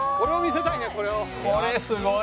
「これすごい！」